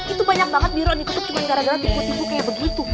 itu banyak banget biru yang ditutup cuma gara gara tipu tipu kayak begitu